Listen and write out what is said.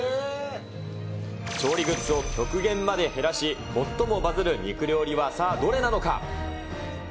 調理グッズを極限まで減らし、最もバズる肉料理は、さあ、どれなのか。